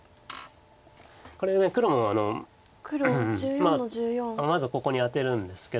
これ黒もまずここにアテるんですけど。